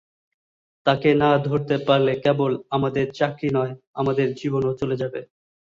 তাকে না ধরতে পারলে কেবল আমাদের চাকরি নয়, আমাদের জীবনও চলে যাবে।